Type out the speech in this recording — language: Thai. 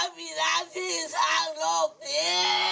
อวบประพิดาที่สร้างโลกนี้